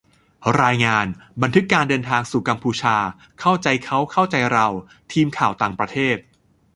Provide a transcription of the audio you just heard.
รายงาน : บันทึกการเดินทางสู่กัมพูชา เข้าใจเขา-เข้าใจเรา : ทีมข่าวต่างประเทศ